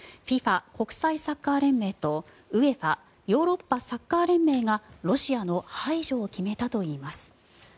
ＦＩＦＡ・国際サッカー連盟とＵＥＦＡ・ヨーロッパサッカー連盟がロシアの排除を決めたといいます。